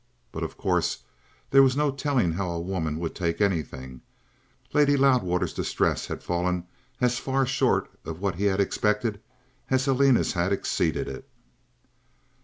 But, of course, there was no telling how a woman would take anything; Lady Loudwater's distress had fallen as far short of what he had expected as Helena's had exceeded it.